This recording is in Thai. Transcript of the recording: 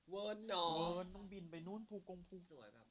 เวิร์นต้องบินไปนู่นพูลกงพูล